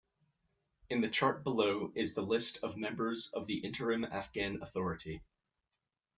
In the chart below is the list of members of the Interim Afghan authority.